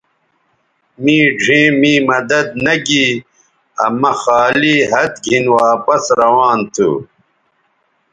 می ڙھیئں می مدد نہ گی آ مہ خالی ھَت گِھن واپس روان تھو